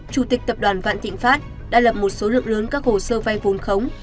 chủ tịch tập đoàn vạn thịnh pháp đã lập một số lượng lớn các hồ sơ vay vốn khống